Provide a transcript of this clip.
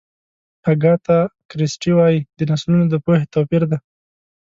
اګاتا کریسټي وایي د نسلونو د پوهې توپیر دی.